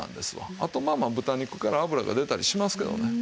あとまあ豚肉から脂が出たりしますけどね。